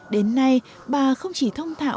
đến nay bà không chỉ thông thạo